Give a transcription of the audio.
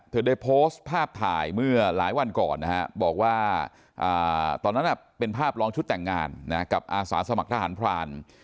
เธอได้โพสต์ภาพถ่ายเมื่อหลายวันก่อนนะฮะบอกว่าตอนนั้นเป็นภาพลองชุดแต่งงานกับอาสาสมัครทหารพราน